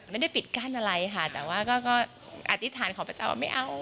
ไม่ได้ปิดกั้นอะไรค่ะแต่ว่าก็อธิษฐานขอพระเจ้าว่าไม่เอา